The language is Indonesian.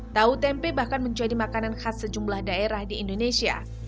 tahu tempe bahkan menjadi makanan khas sejumlah daerah di indonesia